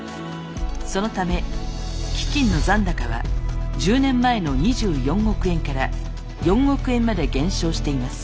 そのため基金の残高は１０年前の２４億円から４億円まで減少しています。